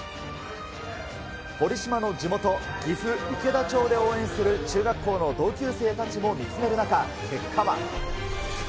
堀島の地元、岐阜・池田町で応援する中学校の同級生たちも見つめる中、結果は。